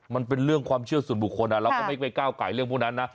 มันเป็นเรื่องความเชื่อส่วนบุคคลเราก็ไม่ไปก้าวไก่เรื่องพวกนั้นนะ